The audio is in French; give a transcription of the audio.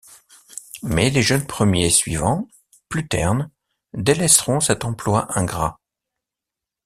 Mais les jeunes premiers suivants, plus ternes, délaisseront cet emploi ingrat.